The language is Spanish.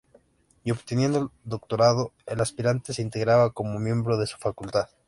Y obteniendo el doctorado, el aspirante se integraba como miembro en su facultad.